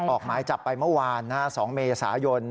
ออกหมายจับไปเมื่อวาน๒เมษายน